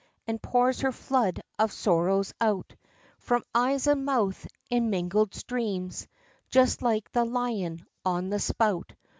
And pours her flood of sorrows out, From eyes and mouth, in mingled streams, Just like the lion on the spout.